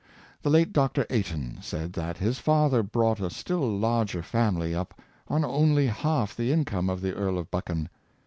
The late Dr. Aiton said that his father brought a still larger family up on only half the income of the Earl of Buchan.